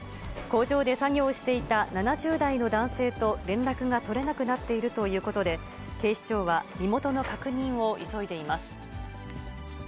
工場で作業していた７０代の男性と連絡が取れなくなっているということで、警視庁は身元の確認を急いでいます。